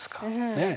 ねえ。